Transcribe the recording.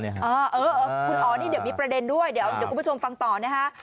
เออคุณอ๋อนี่เดี๋ยวมีประเด็นด้วยเดี๋ยวคุณผู้ชมฟังต่อนะฮะ